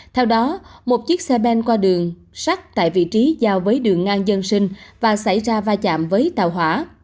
theo đó một chiếc xe ben qua đường sắt tại vị trí giao với đường ngang dân sinh và xảy ra va chạm với tàu hỏa